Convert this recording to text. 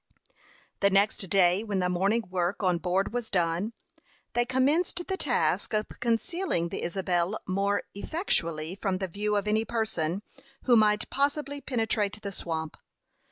The next day, when the morning work on board was done, they commenced the task of concealing the Isabel more effectually from the view of any persons who might possibly penetrate the swamp.